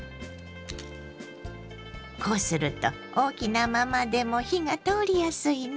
こうすると大きなままでも火が通りやすいの。